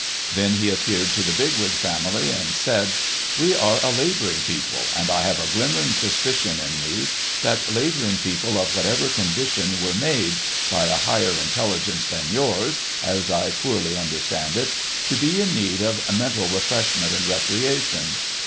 Then he appealed to the Bigwig fomily, and said, ' We are a labour ing people, and I have a glimmering suspicion in me that labouring people of whatever condition were made — by a higher intelligence than yours, as I poorly understand it — to be in need of mental refreshment and recreation.